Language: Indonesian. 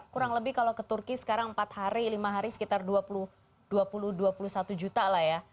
kurang lebih kalau ke turki sekarang empat hari lima hari sekitar dua puluh dua puluh satu juta lah ya